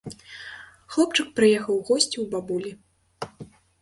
Хлопчык прыехаў у госці ў бабулі.